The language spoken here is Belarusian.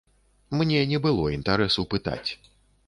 Мне не было інтарэсу пытаць.